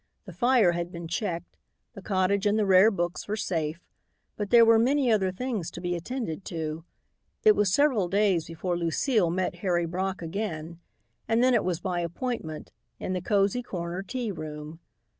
The fire had been checked; the cottage and the rare books were safe, but there were many other things to be attended to. It was several days before Lucile met Harry Brock again and then it was by appointment, in the Cozy Corner Tea Room.